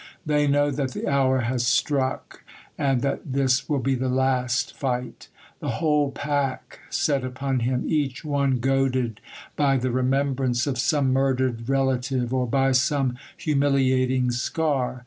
They know that the hour has struck, and that this will be the last fight. The whole pack set upon him, each one goaded by the remembrance of some murdered relative, or by some humiliating scar.